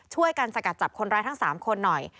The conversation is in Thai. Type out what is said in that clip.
ช่วยกันสกัดจับคนร้ายทั้ง๓คนหน่อย